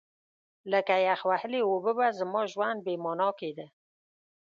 لکه یخ وهلې اوبه به زما ژوند بې مانا کېده.